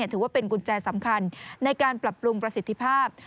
ถือว่าเป็นกุญแจสำคัญในการปรับปรุงประสิทธิภาพ